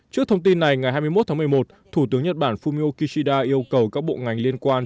trước thông tin này ngày hai mươi một tháng một mươi một thủ tướng nhật bản fumio kishida yêu cầu các bộ ngành liên quan